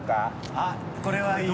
あっこれはいいよ。